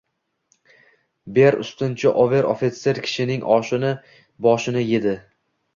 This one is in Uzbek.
Beer ustunca over ofitser kishining oshini, ʙoşini ejdi